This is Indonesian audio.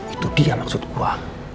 itu dia maksud gue